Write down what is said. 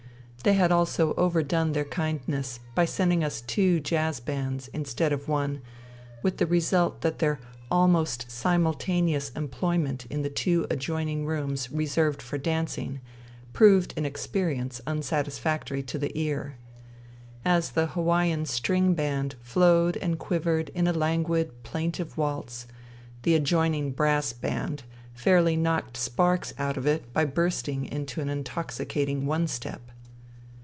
They had also overdone their kindness by sending us two jazz bands instead of one, with the result that their almost simultaneous employment in the two adjoining rooms reserved for dancing proved an experience unsatisfactory to the ear. As the Hawaian string band flowed and quivered in a languid, plaintive waltz, the adjoining brass band fairly knocked sparks out of it by bursting into an intoxicating one step.